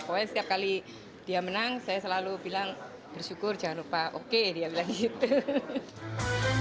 pokoknya setiap kali dia menang saya selalu bilang bersyukur jangan lupa oke dia bilang gitu